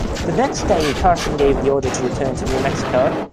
The next day Carson gave the order to return to New Mexico.